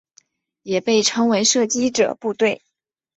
也被称为射击者部队。